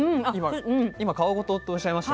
今皮ごととおっしゃいました